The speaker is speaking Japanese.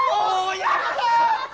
やった！